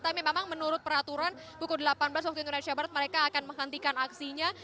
tapi memang menurut peraturan pukul delapan belas waktu indonesia barat mereka akan menghentikan aksinya